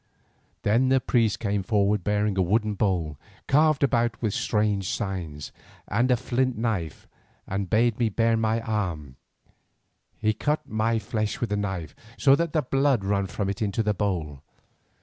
Then the priest came forward bearing a wooden bowl, carved about with strange signs, and a flint knife, and bade me bare my arm. He cut my flesh with the knife, so that blood ran from it into the bowl.